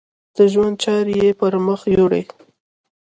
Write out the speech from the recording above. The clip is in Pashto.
د ژوند چارې یې پر مخ یوړې.